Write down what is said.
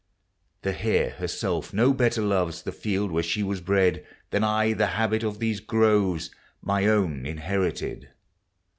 The hare herself no better loves The field where she was bred. Than I the habit of these groves, Mv own inherited.